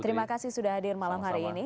terima kasih sudah hadir malam hari ini